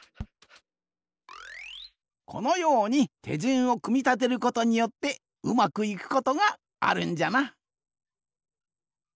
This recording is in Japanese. このようにてじゅんをくみたてることによってうまくいくことがあるんじゃな。